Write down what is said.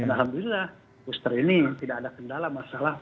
alhamdulillah booster ini tidak ada kendala masalah